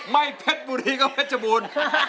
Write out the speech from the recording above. ไม่เผ็ตบูรีเป็นเผ็ตจบูร